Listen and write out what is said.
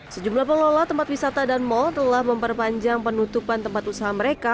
sejumlah pengelola tempat wisata dan mal telah memperpanjang penutupan tempat usaha mereka